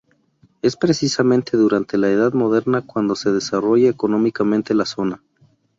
Es precisamente durante la Edad Moderna cuando se desarrolla económicamente la zona.